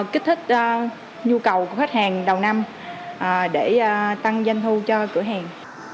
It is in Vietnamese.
kích thích nhu cầu của khách hàng đầu năm để tăng doanh thu cho cửa hàng